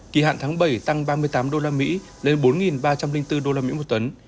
kỳ hạn tháng bảy tăng ba mươi tám usd lên bốn ba trăm linh bốn usd một tấn